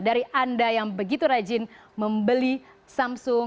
dari anda yang begitu rajin membeli samsung